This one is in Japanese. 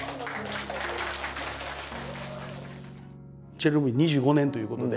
チェルノブイリ２５年ということで。